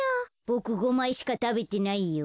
ボク５まいしかたべてないよ。